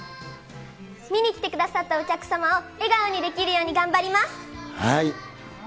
見に来てくださったお客様を笑顔にできるように頑張ります。